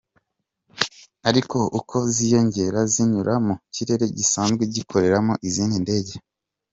Ariko uko ziyongera zinyura mu kirere gisanzwe gikoreramo izindi ndege.